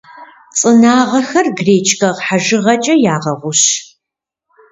Цӏынагъэхэр гречкэ хьэжыгъэкӏэ ягъэгъущ.